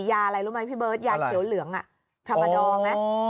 ยาอะไรรู้ไหมพี่เบิร์ตยาเขียวเหลืองอ่ะพระบาทรองน่ะอ๋อ